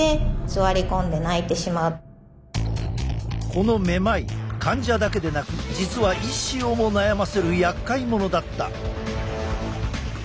このめまい患者だけでなく実は医師をも悩ませるやっかい者だった！